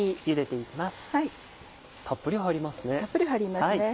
たっぷり入りますね。